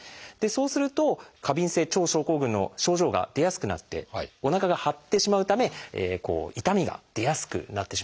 そうすると過敏性腸症候群の症状が出やすくなっておなかが張ってしまうため痛みが出やすくなってしまうんですね。